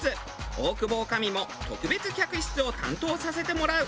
大久保女将も特別客室を担当させてもらう。